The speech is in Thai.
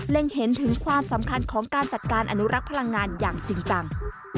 เห็นถึงความสำคัญของการจัดการอนุรักษ์พลังงานอย่างจริงจัง